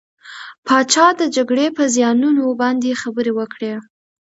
پاچا د جګرې په زيانونو باندې خبرې وکړې .